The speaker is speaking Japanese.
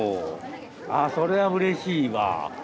ああそれはうれしいわ。